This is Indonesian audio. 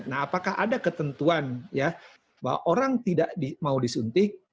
nah apakah ada ketentuan ya bahwa orang tidak mau disuntik